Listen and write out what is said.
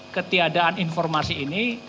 ketiadaan informasi ini